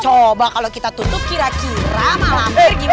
coba kalau kita tutup kira kira malam gimana